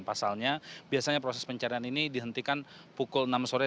pasalnya biasanya proses pencarian ini dihentikan pukul enam sore